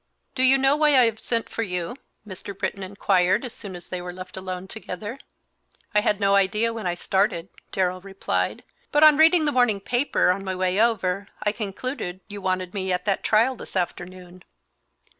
"Do you know why I have sent for you?" Mr. Britton inquired, as soon as they were left alone together. "I had no idea when I started," Darrell replied, "but on reading the morning paper, on my way over, I concluded you wanted me at that trial this afternoon."